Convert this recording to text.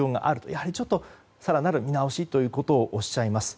やはり更なる見直しということをおっしゃいます。